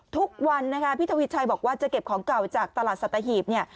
ทุกวันนะคะพี่ทวีชัยบอกว่าจะเก็บของเก่าจากตลาดสัตหีบเนี่ย